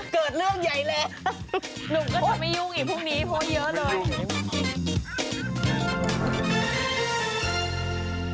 เกิดเรื่องใหญ่แล้ว